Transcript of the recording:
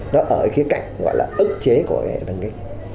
nó ở cái cái cạnh gọi là ức chế của hệ thần kinh